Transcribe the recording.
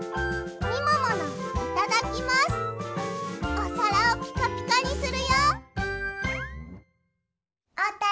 おさらをピカピカにするよ！